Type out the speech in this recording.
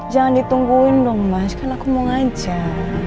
jangan ditungguin dong mas kan aku mau ngajak